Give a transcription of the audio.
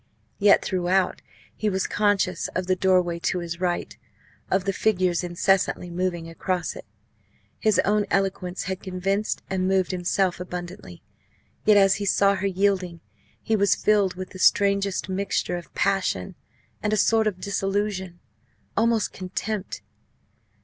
Yet, throughout, he was conscious of the doorway to his right, of the figures incessantly moving across it. His own eloquence had convinced and moved himself abundantly. Yet, as he saw her yielding, he was filled with the strangest mixture of passion and a sort of disillusion almost contempt!